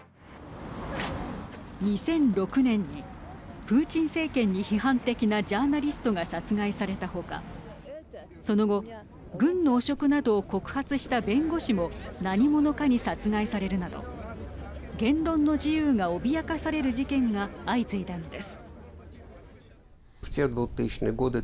２００６年にプーチン政権に批判的なジャーナリストが殺害された他その後軍の汚職などを告発した弁護士も何者かに殺害されるなど言論の自由が脅かされる事件が相次いだのです。